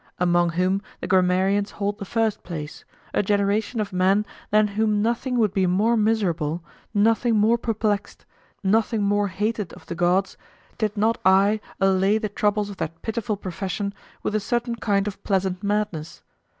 Among whom the grammarians hold the first place, a generation of men than whom nothing would be more miserable, nothing more perplexed, nothing more hated of the gods, did not I allay the troubles of that pitiful profession with a certain kind of pleasant madness.